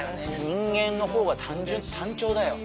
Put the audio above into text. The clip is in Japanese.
人間の方が単純単調だよ。